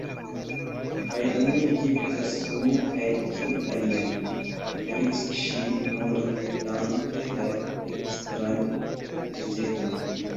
"Kaj nun kiu estas 'unu' kaj kiu 'alia'?" diris ŝi mordetante la dekstran peceton.